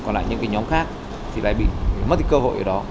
còn lại những cái nhóm khác thì lại bị mất cái cơ hội ở đó